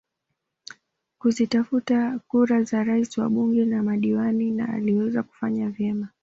Kuzitafuta kura za Rais wabunge na madiwani na aliweza kufanya vyema